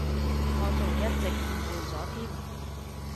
我仲一直誤會咗添